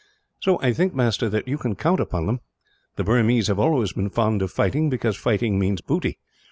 "So I think, master, that you can count upon them. The Burmese have always been fond of fighting, because fighting means booty.